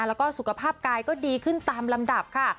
แล้วก็สุขภาพกายก็ดีขึ้นตามลำดับค่ะ